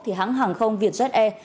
thì hãng hàng không vietjet air